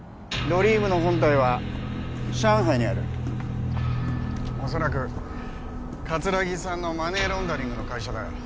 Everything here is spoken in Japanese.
ドリームの本体は上海にあるおそらく桂木さんのマネーロンダリングの会社だよ